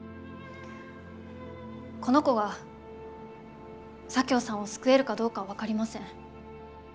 この子は左京さんを救えるかどうか分かりません。